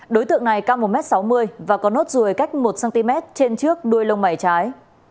đối tượng này cao một m sáu mươi và có nốt ruồi cách một cm trên trước đuôi lông mảy trái